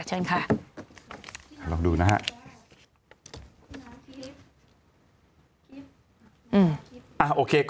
เชิญค่ะ